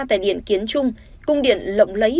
tại điện kiến trung cung điện lộng lấy